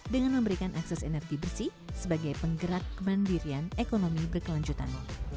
dengan memberikan akses energi bersih sebagai penggerak kemandirian ekonomi berkelanjutan